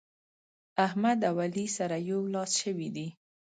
احمد او علي سره يو لاس شوي دي.